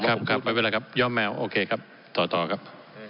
ครับครับไม่เป็นไรครับย่อมแมวโอเคครับต่อครับ